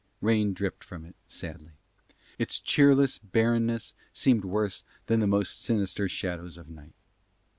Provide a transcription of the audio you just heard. Rain dripped from it sadly. Its cheerless bareness seemed worse than the most sinister shadows of night.